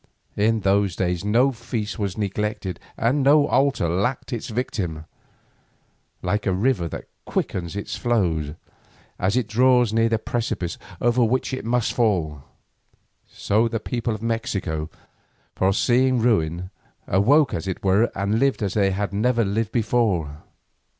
In those days no feast was neglected and no altar lacked its victim. Like a river that quickens its flow as it draws near the precipice over which it must fall, so the people of Mexico, foreseeing ruin, awoke as it were and lived as they had never lived before.